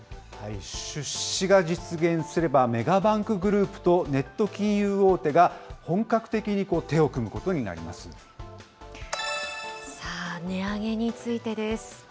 出資が実現すれば、メガバンクグループとネット金融大手が、本格的に手を組むことにさあ、値上げについてです。